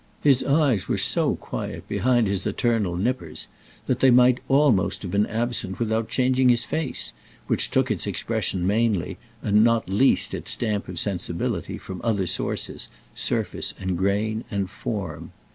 His eyes were so quiet behind his eternal nippers that they might almost have been absent without changing his face, which took its expression mainly, and not least its stamp of sensibility, from other sources, surface and grain and form.